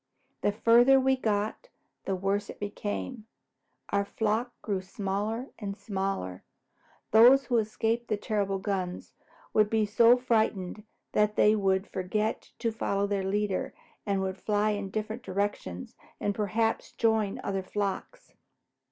The farther we got, the worse it became. Our flock grew smaller and smaller. Those who escaped the terrible guns would be so frightened that they would forget to follow their leader and would fly in different directions and later perhaps join other flocks.